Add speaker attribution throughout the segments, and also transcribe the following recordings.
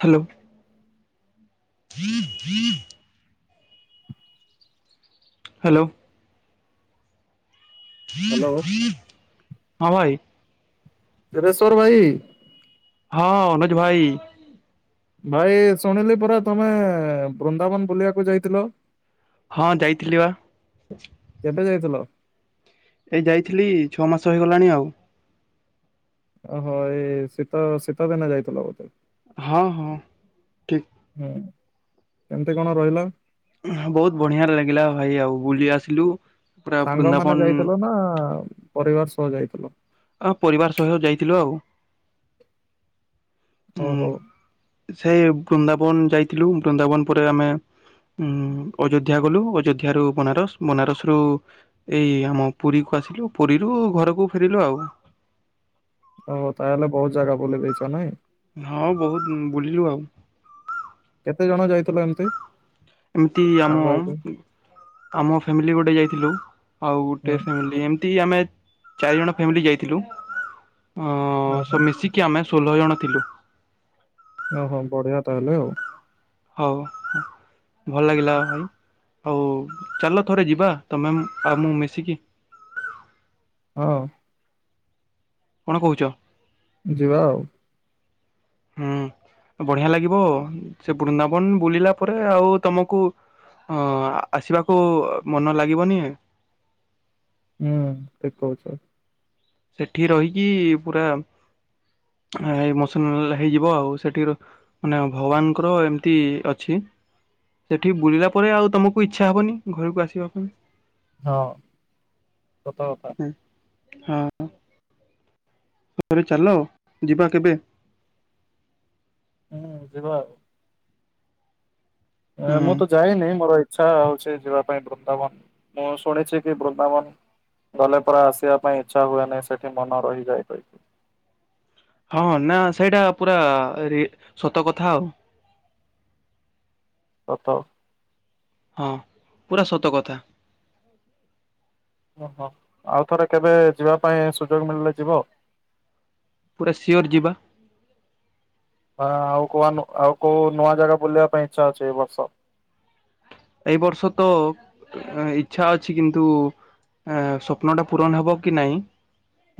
Speaker 1: Hello. Hello.
Speaker 2: Hello
Speaker 1: ହଁ, ଭାଇ!
Speaker 2: ଦେବେଶ୍ୱର ଭାଇ!
Speaker 1: ହଁ, ଅନୁଜ ଭାଇ!
Speaker 2: ଭାଇ ଶୁଣିଲି ପରା ତୁମେ, ବୃନ୍ଦାବନ ବୁଲିବାକୁ ଯାଇଥିଲ?
Speaker 1: ହଁ, ଯାଇଥିଲି ବା।
Speaker 2: କେବେ ଯାଇଥିଲ?
Speaker 1: ଏଇ ଯାଇଥିଲି, ଛଅ ମାସ ହୋଇଗଲାଣି ଆଉ।
Speaker 2: ଓହୋ! ଏ ଶୀତ ଶୀତଦିନେ ଯାଇଥିଲ ବୋଧେ!
Speaker 1: ହଁ, ହଁ। ଠିକ
Speaker 2: ହୁଁ, କେମତି କଣ ରହିଲ?
Speaker 1: ବହୁତ ବଢିଁଆ ଲାଗିଲା ଭାଇ, ଆଉ ବୁଲି ଆସିଲୁ। ପୁରା
Speaker 2: ସାଙ୍ଗମାନେ
Speaker 1: ବୃନ୍ଦାବନ
Speaker 2: ଯାଇଥିଲ, ନା ପରିବାର ସହ ଯାଇଥିଲ?
Speaker 1: ଅ ପରିବାର ସହିୟ ଯାଇଥିଲୁ ଆଉ।
Speaker 2: ହୋଉ ହୋଉ
Speaker 1: ସେଇ ବୃନ୍ଦାବନ୍ ଯାଇଥିଲୁ ବୃନ୍ଦାବନ୍ ପରେ ଆମେ ଉଁ ଅଯୋଧ୍ୟା ଅଯୋଧ୍ୟା ଗଲୁ ଅଯୋଧ୍ୟା ରୁ ବନାରସ୍ ବନାରସ୍ ରୁ ଏଇ ଆମ ପୁରୀ କୁ ଆସିଲୁ ପୁରୀରୁ ଘରକୁ ଫେରିଲୁ ଆଉ।
Speaker 2: ଓ ତାହେଲେ ବହୁତ୍ ଜାଗା ବୁ ଦେଲେଦେଇଛ ନାଇଁ।
Speaker 1: ହଁ ବହୁତ୍ ବୁଲିଲୁ ଆଉ।
Speaker 2: କେତେ ଜଣ ଯାଇଥିଲ ଏମ୍ତି।
Speaker 1: ଏମିତି ଆମ ଆମ ଫ୍ୟାମିଲି ଗୋଟେ ଯାଇଥିଲୁ। ଆଉ ଗୋଟେ
Speaker 2: ହୁଁ
Speaker 1: ଫାମିଲ ଏମତି ଆମେ ଚାରି ଜଣ ଫ୍ୟାମିଲି ଯାଇଥିଲୁ। ଉଁ
Speaker 2: ଓହୋ
Speaker 1: ସ ମିଶିକି ଆମେ ଷୋଲ ଜଣ ଥିଲୁ।
Speaker 2: ଓହୋ ବଢି଼ଆ ତାହେଲେ ଆଉ।
Speaker 1: ହଉ ହ ଭଲ ଲାଗିଲା ଭାଇ ଆଉ ଚାଲ ଥରେ ଯିବା ତମେ ଆଉ ମୁଁ ମିଶିକି।
Speaker 2: ହଁ।
Speaker 1: କଣ କହୁଛ?
Speaker 2: ଯିବା ଆଉ।
Speaker 1: ବଢି଼ଆ ଲାଗିବ ସେ ବୃନ୍ଦାବନ ବୁଲିଲା ପରେ ଆଉ ତମକୁ ହଁ ଆସିବାକୁ ମନ ଲାଗିବନି।
Speaker 2: ହୁଁ ଠିକ୍ କହୁଛ।
Speaker 1: ସେଠି ରହିକି ପୁରା ମସନ ହେଇଯିବ ଆଉ ସେଠି ର ମାନେ ଭଗବାନଙ୍କର ଏମିତି ଅଛି। ସେଠି ବୁଲିଲା ପରେ ଆଉ ତମକୁ ଇଚ୍ଛା ହବନି ଘରକୁ ଆସିବା ପାଇଁ।
Speaker 2: ହଁ ସତ କଥା।
Speaker 1: ହଁ ହଁ ରେ ଚାଲ ଯିବା କେବେ?
Speaker 2: ହୁଁ ଯିବା ଆଉ ମୁଁ
Speaker 1: ହୁଁ।
Speaker 2: ତ ଯାଏନିଁ ମୋର ଆଛା ହଉଛି ଯିବା ପାଇଁ ବୃନ୍ଦାବନ ମୁଁ ଶୁଣିଛି କି ବୃନ୍ଦାବନ୍ ଗଲେ ପରା ଆସିବା ପାଇଁ ଇଚ୍ଛା ହୁଏନି ସେଠି ମନ ରହିଯାଏ କହିକି
Speaker 1: ହଁ ନା ସେଇଟା ପୁରା ରିଏ ସତ କଥା ଆଉ
Speaker 2: ସତ
Speaker 1: ହଁ ପୁରା ସତ କଥା।
Speaker 2: ଓହୋ ଆଉ ଥରେ କେବେ ଯିବା ପାଇଁ ସୁଯୋଗ ମିଳିଲେ ଯିବ।
Speaker 1: ପୁରା ସିଓର ଯିବା।
Speaker 2: ହଁ ଆଉ କୁ ଆଉ କୋଉ ନୂଆ ଜାଗା ବୁଲିବା ପାଇଁ ଇଚ୍ଛା ଅଛି ଏଇ ବର୍ଷ
Speaker 1: ଏଇ ବର୍ଷ ତ ଇଚ୍ଛା ଅଛି କିନ୍ତୁ ଅଁ ସ୍ୱପ୍ନ ଟା ପୂରଣ ହବ କି ନାଇଁ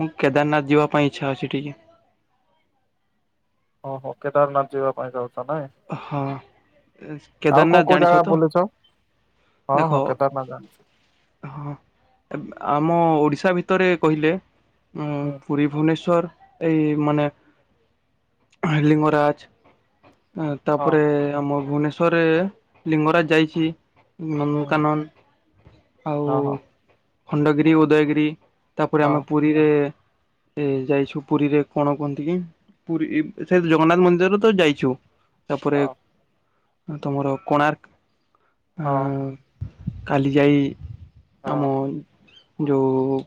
Speaker 1: ମୁଁ କେଦାରନାଥ ଯିବା ପାଇଁ ଇଚ୍ଛା ଅଛି ଟିକେ।
Speaker 2: ଓହୋ କେଦାରନାଥ ଯିବା ପାଇଁ ଚାହୁଁଛ ନାଇଁ।
Speaker 1: ହଁ
Speaker 2: ଆଉ କୋଉ
Speaker 1: କେଦାରନାଥ
Speaker 2: କୋଉ ଜାଗା
Speaker 1: ଜାଣିଚ ତ?
Speaker 2: ବୁଲିଛ ହଁ
Speaker 1: ଦେଖ
Speaker 2: ହଁ କେଦାରନାଥ ଜାଣିଚି।
Speaker 1: ହଁ ଆମ ଓଡିଶା ଭିତରେ କହିଲେ
Speaker 2: ହୁଁ
Speaker 1: ପୁରୀ ଭୁବନେଶ୍ଵର ଏଇ ମାନେ ଲିଙ୍ଗରାଜ୍
Speaker 2: ହଁ
Speaker 1: ତାପରେ ଆମ ଭୁବନେଶ୍ଵରରେ ଲିଙ୍ଗରାଜ୍ ଯାଇଚି।
Speaker 2: ହୁଁ
Speaker 1: ନନ୍ଦନକାନନ ଆଉ
Speaker 2: ହଁ ହଁ।
Speaker 1: ଖଣ୍ଡଗିରି ଉଦୟଗିରି। ତାପରେ ଆମ
Speaker 2: ହଁ
Speaker 1: ପୁରୀରେ ଏ ଯାଇଚୁ ପୁରୀରେ କଣ କୁହନ୍ତି କି ପୁରୀ ସେ ଜଗନ୍ନାଥ ମନ୍ଦିର ତ ଯାଇଚୁ। ତାପରେ ତମର କୋଣାର୍କ୍
Speaker 2: ହଁ
Speaker 1: ହାଁ କାଲି ଯାଇ
Speaker 2: ହଁ
Speaker 1: ଆମ ଯଉ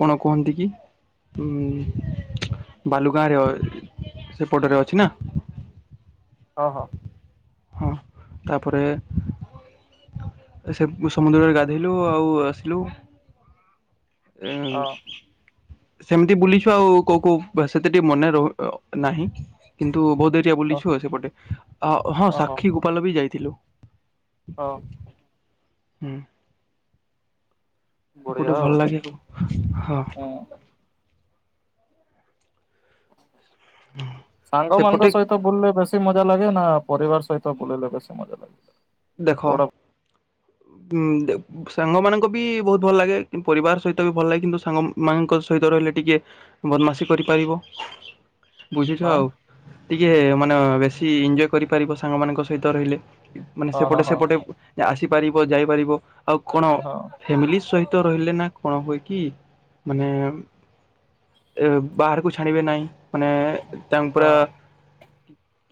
Speaker 1: କଣ କୁହନ୍ତି କି? ବାଲୁଗାଁରେ ସେପଟରେ ଅଛି ନା।
Speaker 2: ହଁ ହଁ।
Speaker 1: ହଁ ତାପରେ ସେ ସମୁଦ୍ରରେ ଗାଧେଇଲୁ ଆଉ ଆସିଲୁ। ଏୟା ଆଉ।
Speaker 2: ହଁ
Speaker 1: ସେମିତି ବୁଲିଚୁ ଆଉ କୋଉ କୋଉ ସେତେ ଟିକେ ମନେ ରହୁ ନାହିଁ କିନ୍ତୁ ବହୁତ ଡେ ରିଆ
Speaker 2: ହଁ
Speaker 1: ବୁଲିଛୁ ସେପଟେ ହଁ
Speaker 2: ଓହୋ
Speaker 1: ସାକ୍ଷୀ ଗୋପାଲ ବି ଯାଇଥିଲୁ।
Speaker 2: ହଁ।
Speaker 1: ହୁଁ।
Speaker 2: ବଢିଆ
Speaker 1: ସେପଟେ
Speaker 2: ଆଉ
Speaker 1: ଭଲ ଲାଗେ ଆଉ ହଁ।
Speaker 2: ହୁଁ।
Speaker 1: ହୁଁ
Speaker 2: ସାଙ୍ଗ ମାନଙ୍କ ସହିତ ବୁଲିଲେ ବେଶୀ ମଜା ଲାଗେ ନା ପରିବାର ସହିତ ବୁଲିଲେ ବେଶୀ ମଜା ଲାଗେ?
Speaker 1: ଦେଖ
Speaker 2: କୋଉଟା
Speaker 1: ଉଁ ଦେ ସାଙ୍ଗମାନଙ୍କ ବି ବହୁତ ଭଲ ଲାଗେ କିନ୍ତୁ ପରିବାର ସହିତ ବି ଭଲ ଲାଗେ କିନ୍ତୁ ସାଙ୍ଗ ମାଙ୍କ ସହିତ ରହିଲେ ଟିକେ ବଦମାସି କରିପାରିବ। ବୁଝିଥିବ ଆଉ
Speaker 2: ଆଁ
Speaker 1: ଟିକେ ମାନେ ବେଶୀ ଇଞ୍ଜୟ୍ କରିପାରିବ ସାଙ୍ଗମାନଙ୍କ ସହିତ ରହିଲେ। ମାନେ
Speaker 2: ହଁ
Speaker 1: ସେପଟେ
Speaker 2: ହଁ
Speaker 1: ସେପଟେ ଆସିପାରିବ ଯାଇପାରିବ ଆଉ କଣ?
Speaker 2: ହଁ
Speaker 1: ଫ୍ୟାମିଲି ସହିତ ରହିଲେ ନା କଣ ହୁଏ କି ମାନେ ବାହାରକୁ ଛାଡ଼ିବେ ନାହିଁ ମାନେ ତାଙ୍କୁ ପୁରା
Speaker 2: ହଁ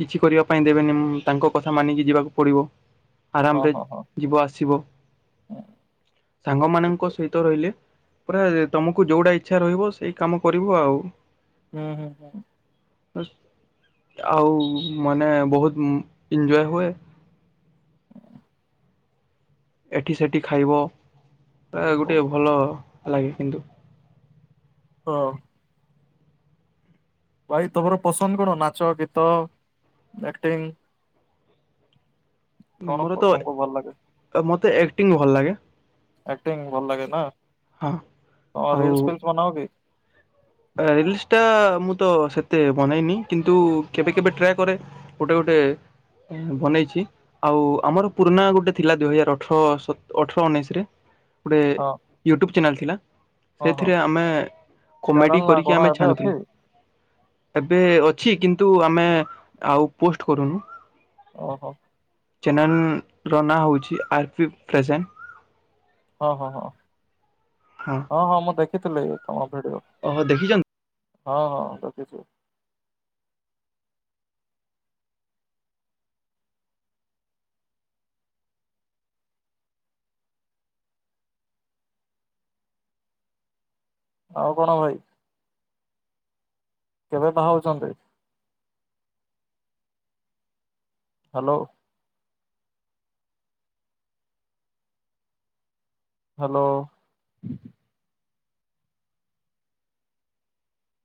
Speaker 1: କିଛି କରିବା ପାଇଁ ଦେବେନି ତାଙ୍କ କଥା ମାନିକି ଯିବାକୁ ପଡି଼ବ।
Speaker 2: ହଁ ହଁ
Speaker 1: ଆରାମରେ
Speaker 2: ହଁ ହଁ
Speaker 1: ଯିବ ଆସିବ
Speaker 2: ହୁଁ ଠିକ୍
Speaker 1: ସାଙ୍ଗମାନଙ୍କ
Speaker 2: କହୁଚ।
Speaker 1: ସହି ତ ରହିଲେ ପୁରା ତମକୁ ଯୋଉଟା ଇଚ୍ଛା ରହିବ ସେଇ କାମ କରିବ ଆଉ।
Speaker 2: ହୁଁ ହୁଁ ହୁଁ।
Speaker 1: ଆଉ ମାନେ ବହୁତ ଇଞ୍ଜୟ୍ ହୁଏ। ଏଠି ସେଠି ଖାଇବ ୟେ
Speaker 2: ଠିକ୍ କହୁଚ
Speaker 1: ଗୋଟିଏ ଭଲ ଲାଗେ କିନ୍ତୁ
Speaker 2: ହଁ। ଭାଇ ତମର ପସନ୍ଦ କଣ ନାଚ ଗୀତ ଆକ୍ଟିଙ୍ଗ୍? କଣ
Speaker 1: ମୋର
Speaker 2: ପ ତମକୁ ଭଲ ଲାଗେ?
Speaker 1: ତ ମୋତେ ଏକ୍ଟିଙ୍ଗ୍ ଭଲ ଲାଗେ।
Speaker 2: ଆକ୍ଟିଂ ଭଲ ଲାଗେ ନା
Speaker 1: ହଁ
Speaker 2: ଓ ରିଲ୍ସ ଫିଲ୍ସ ବନାଅ କି?
Speaker 1: ରିଲିସ୍ ଟା ମୁଁ ତ ସେତେ ବନେଇନି କିନ୍ତୁ କେବେ କେବେ ଟ୍ରାଏ କରେ। ଗୋଟେ ଗେଟେ ବନେଇଚି। ଆଉ ଆମର ପୁରୁଣା ଗୁଟେ ଥିଲା ଦୁଇ ହଜାର ଅଠର ସତ ଅଠର ଉଣେଇଶି ରେ। ଗୁଟେ
Speaker 2: ହଁ
Speaker 1: ୟୁଟ୍ୟୁବ୍ ଚ୍ୟାନେଲ୍ ଥିଲା
Speaker 2: ହଁ ହଁ
Speaker 1: ସେଥିରେ ଆମେ କମେଡ଼ି
Speaker 2: ଚ୍ୟାନେଲ ନା
Speaker 1: କି
Speaker 2: କଣ
Speaker 1: ଆମେ
Speaker 2: ଏବେ
Speaker 1: ଛାଣୁଥିଲୁ।
Speaker 2: ଅଛି?
Speaker 1: ଏବେ ଅଛି କିନ୍ତୁ ଆମେ ଆଉ ପୋଷ୍ଟ୍ କରୁନୁ।
Speaker 2: ଓହୋ।
Speaker 1: ଚ୍ୟାନେଲ ର ନାଁ ହେଉଛି ଆର୍ ପି ପ୍ରେଜେଣ୍ଟ୍।
Speaker 2: ହଁ ହଁ ହଁ।
Speaker 1: ହଁ।
Speaker 2: ହଁ ହଁ ମୁଁ ଦେଖିଥିଲି ତମ ଭିଡି଼ଓ।
Speaker 1: ଓହୋ ଦେଖିଛନ୍ତି।
Speaker 2: ହଁ ହଁ ଦେଖିଛି। ଆଉ କଣ ଭାଇ। କେବେ ବାହାହଉଛନ୍ତି? Hello hello